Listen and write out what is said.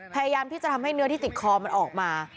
พยายามที่จะทำให้เนื้อที่ติดคอมันออกมา